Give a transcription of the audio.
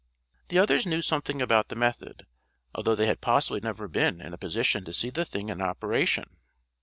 The others knew something about the method, although they had possibly never been in a position to see the thing in operation.